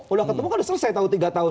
udah ketemu kan udah selesai tahun tiga tahun